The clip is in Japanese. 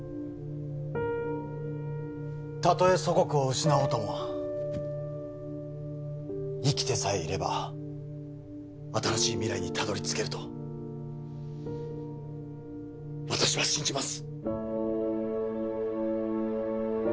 たとえ祖国を失おうとも生きてさえいれば新しい未来にたどり着けると私は信じます